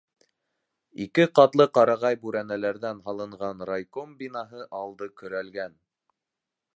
Ике ҡатлы ҡарағай бүрәнәләрҙән һалынған райком бинаһы алды көрәлгән.